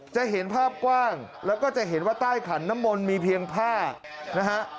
จะเห็นภาพกว้างแล้วก็จะเห็นว่าใต้ขันน้ำมนต์มีเพียงผ้านะฮะ